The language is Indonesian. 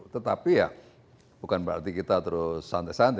tetapi ya bukan berarti kita terus santai santai